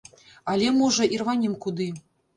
Але, можа, і рванем куды.